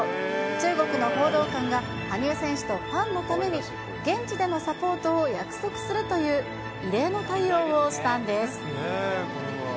中国の報道官が、羽生選手とファンのために、現地でのサポートを約束するという、異例の対応をしたんです。